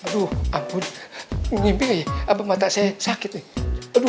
tuh suara mau berlalu